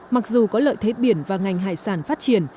mặc dù có lợi thế biển và ngành hải sản phát triển